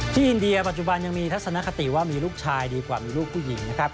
อินเดียปัจจุบันยังมีทัศนคติว่ามีลูกชายดีกว่ามีลูกผู้หญิงนะครับ